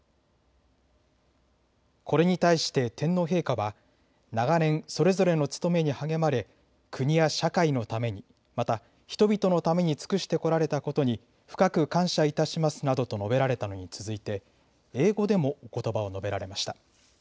これに対して天皇陛下は長年、それぞれの務めに励まれ国や社会のために、また人々のために尽くしてこられたことに深く感謝いたしますなどと述べられたのに続いて英語でもおことばを述べられました。